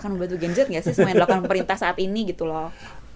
semua yang melakukan pemerintah saat ini gitu loh